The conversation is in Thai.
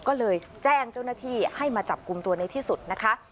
ก็เลยแจ้งเจ้าหน้าที่ให้มาจับกลุ่มตัวในที่สุดนะคะ